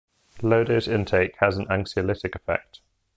Low dose intake has an anxiolytic effect.